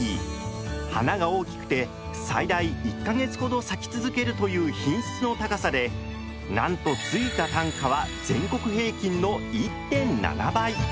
花が大きくて最大１か月ほど咲き続けるという品質の高さでなんとついた単価は全国平均の１．７倍！